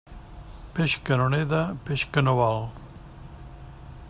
Peix que no neda, peix que no val.